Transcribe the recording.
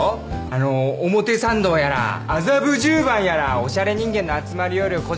あの表参道やら麻布十番やらおしゃれ人間の集まりよるこ